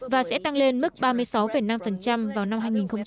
và sẽ tăng lên mức ba mươi sáu năm vào năm hai nghìn hai mươi